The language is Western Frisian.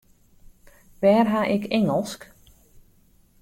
Wêr ha ik Ingelsk?